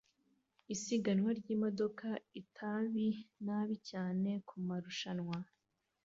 Isiganwa ryimodoka itabi nabi cyane kumarushanwa